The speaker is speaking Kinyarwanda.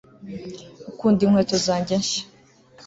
ukunda inkweto zanjye nshya